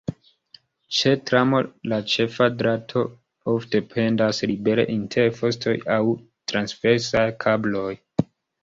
Ĉe tramo la ĉefa drato ofte pendas libere inter fostoj aŭ transversaj kabloj.